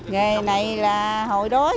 ngày này là hội đô